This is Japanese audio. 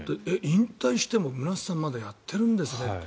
引退しても村田さんまだやってるんですねって。